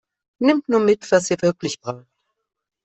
Nehmt nur mit, was ihr wirklich braucht!